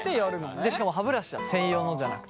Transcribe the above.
でしかも歯ブラシだ専用のじゃなくて。